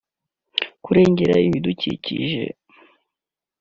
kurengera ibidukikije